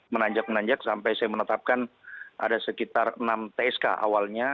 menanjak menanjak sampai saya menetapkan ada sekitar enam tsk awalnya